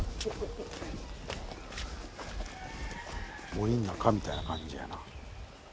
森ん中みたいな感じやな。